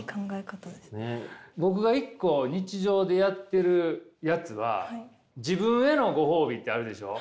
僕が１個日常でやっているやつは自分へのご褒美ってあるでしょ？